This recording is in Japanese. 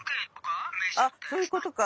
そういうことか。